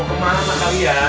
hehehe mau kemana kalian